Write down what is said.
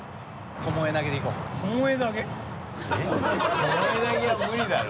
巴投げは無理だろ。